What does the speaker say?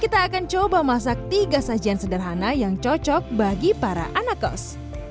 kita akan coba masak tiga sajian sederhana yang cocok bagi para anak kos